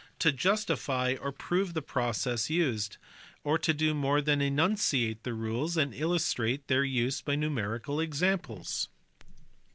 to justify or prove the processes used, or to do more than enunciate rules and illustrate their use by numerical examples.